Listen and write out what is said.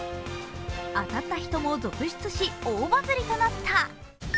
当たった人も続出し、大バズりとなった。